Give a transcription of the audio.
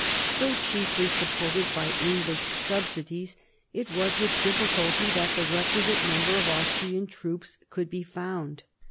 Though chiefly supported by English subsidies, it was with difficulty that the requisite number of Austrian troops could be found.